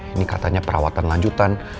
ini katanya perawatan lanjutan